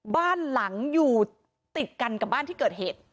บ้านหลังอยู่ติดกันกับบ้านที่เกิดเหตุ